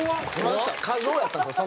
過剰やったんですよ